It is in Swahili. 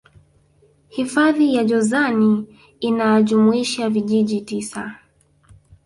hifadhi ya jozani inajumuisha vijiji tisa